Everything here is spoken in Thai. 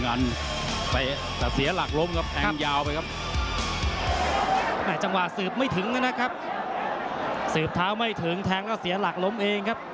สืบไม่ถึงนะครับสืบเท้าไม่ถึงแทงแล้วเสียหลักล้มเองครับ